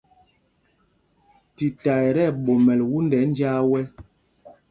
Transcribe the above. Tita ɛ tí ɛɓomɛl wundɛ njāā wɛ́.